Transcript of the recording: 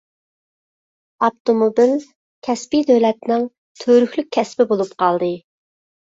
ئاپتوموبىل كەسپى دۆلەتنىڭ تۈۋرۈكلۈك كەسپى بولۇپ قالدى.